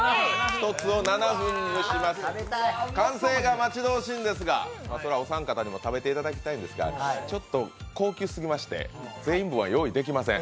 完成が待ち遠しいんですが、お三方にも食べていただきたいんですが、ちょっと高級すぎまして全員分は用意できません。